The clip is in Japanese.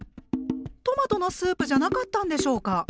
トマトのスープじゃなかったんでしょうか？